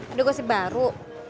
ada gosip baru